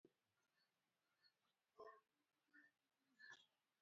To marieba?